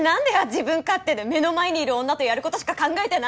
自分勝手で目の前にいる女とやることしか考えてないの？